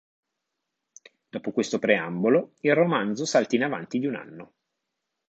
Dopo questo preambolo, il romanzo salta in avanti di un anno.